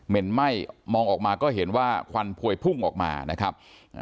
เห็นไหม้มองออกมาก็เห็นว่าควันพวยพุ่งออกมานะครับ